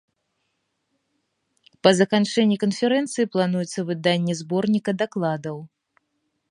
Па заканчэнні канферэнцыі плануецца выданне зборніка дакладаў.